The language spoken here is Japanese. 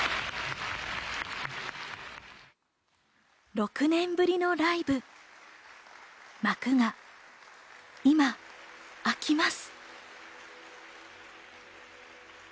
６年ぶりのライブ、幕が今、開きます。